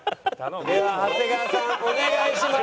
では長谷川さんお願いします！